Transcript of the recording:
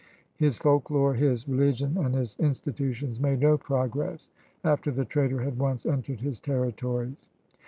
His folklore, his religion, and his institutions made no progress after the trader had once entered his territories.